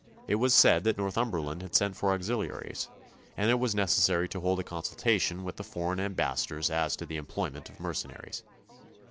It was said that Northumberland had sent for auxiliaries, and that it was necessary to hold a consultation with the foreign ambassadors as to the employment of mercenaries.